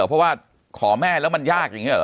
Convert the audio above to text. เพราะว่าขอแม่แล้วมันยากอย่างนี้หรอ